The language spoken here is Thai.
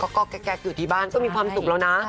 ก็แก๊กอยู่ที่บ้านก็มีความสุขแล้วนะ